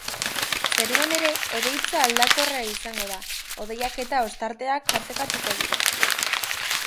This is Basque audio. Zeruan ere hodeitza aldakorra izango da, hodeiak eta ostarteak tartekatuko dira.